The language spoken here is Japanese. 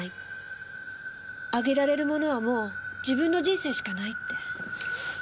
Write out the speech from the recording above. あげられるものはもう自分の人生しかないって。